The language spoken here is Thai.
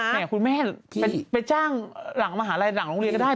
คุณแม่ไปจ้างหลังมหาลัยหลังโรงเรียนก็ได้